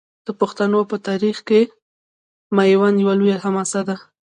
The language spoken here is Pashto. د پښتنو په تاریخ کې میوند یوه لویه حماسه ده.